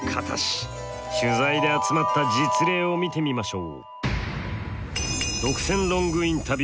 取材で集まった実例を見てみましょう。